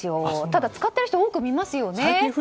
ただ使っている人多く見ますよね。